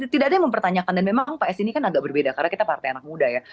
tidak ada yang mempertanyakan dan memang pak s ini kan agak berbeda karena kita partai anak muda ya